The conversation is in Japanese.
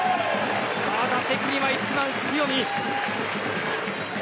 打席には１番、塩見。